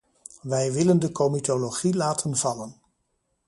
Wij willen de comitologie laten vallen.